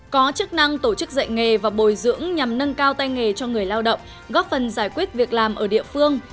có chức năng tổ chức dạy nghề và bồi dưỡng nhằm nâng cao tay nghề cho người lao động góp phần giải quyết việc làm ở địa phương